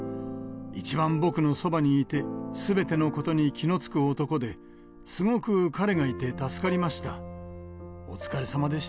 一番僕のそばにいて、すべてのことに気のつく男で、すごく彼がいて助かりました。